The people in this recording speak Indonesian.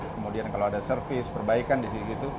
kemudian kalau ada servis perbaikan disitu